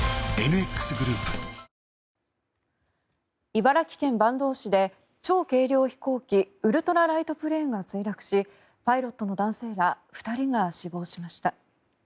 茨城県坂東市で超軽量飛行機ウルトラライトプレーンが墜落しパイロットの男性ら２人が死亡しました。